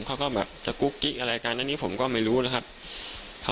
เขาก็แบบจะกุ๊กกิ๊กอะไรกันอันนี้ผมก็ไม่รู้นะครับ